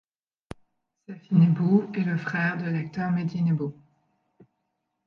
Safy Nebbou est le frère de l'acteur Mehdi Nebbou.